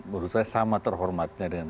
menurut saya sama terhormatnya dengan